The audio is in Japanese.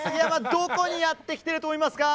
どこにやってきてると思いますか？